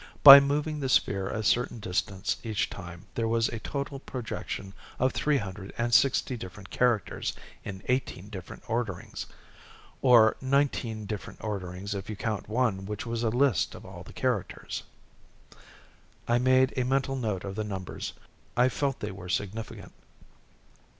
By moving the sphere a certain distance each time, there was a total projection of three hundred and sixty different characters in eighteen different orderings. Or nineteen different orderings if you count one which was a list of all the characters." I made a mental note of the numbers. I felt they were significant.